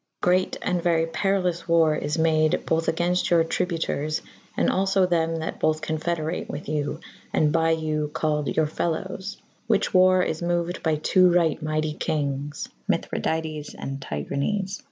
Great & very perillous warre is made bothe agaynfte your tribu tours / and alfo them that bothe confederate with you / [D ii b] and by you called your felowes / whiche warre is moued by two ryght myghty kynges / Mythrydates and Tigranes.